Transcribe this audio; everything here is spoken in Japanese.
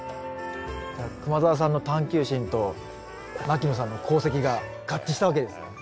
じゃあ熊澤さんの探究心と牧野さんの功績が合致したわけですね。